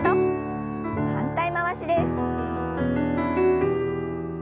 反対回しです。